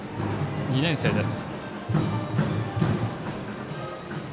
２年生です。